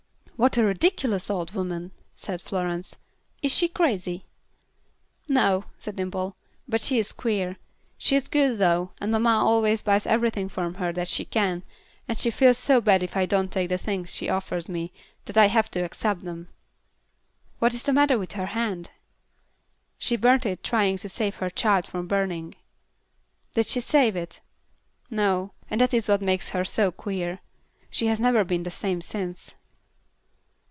"What a ridiculous old woman!" said Florence. "Is she crazy?" "No," said Dimple. "But she is queer. She is good, though, and mamma always buys everything from her that she can, and she feels so bad if I don't take the things she offers me that I have to accept them." "What is the matter with her hand?" "She burned it trying to save her child from burning." "Did she save it?" "No; and that is what makes her so queer. She has never been the same since."